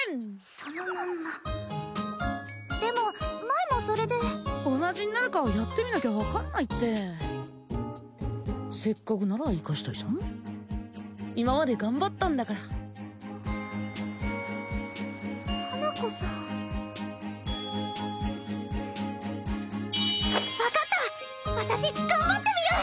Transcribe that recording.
そのまんまでも前もそれで同じになるかはやってみなきゃ分かんないってせっかくなら生かしたいじゃん今まで頑張ったんだから花子さん分かった私頑張ってみる！